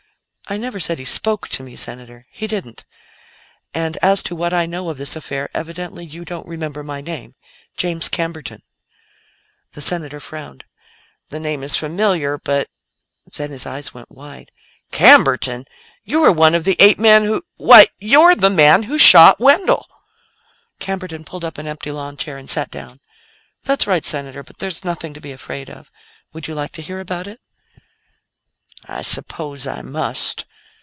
"I never said he spoke to me, Senator; he didn't. And as to what I know of this affair, evidently you don't remember my name. James Camberton." The Senator frowned. "The name is familiar, but " Then his eyes went wide. "Camberton! You were one of the eight men who Why, you're the man who shot Wendell!" Camberton pulled up an empty lawnchair and sat down. "That's right, Senator; but there's nothing to be afraid of. Would you like to hear about it?" "I suppose I must."